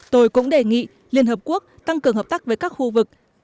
tôi cũng đề nghị liên hợp quốc tăng cường hợp tác với các khu vực